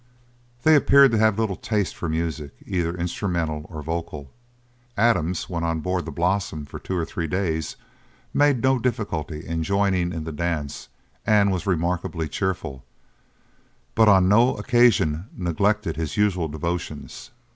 They appeared to have little taste for music either instrumental or vocal. Adams, when on board the Blossom for two or three days, made no difficulty of joining in the dance and was remarkably cheerful, but on no occasion neglected his usual devotions.